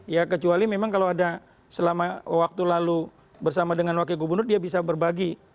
ya kecuali memang kalau ada selama waktu lalu bersama dengan wakil gubernur dia bisa berbagi